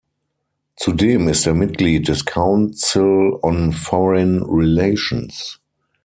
Zudem ist er Mitglied des Council on Foreign Relations.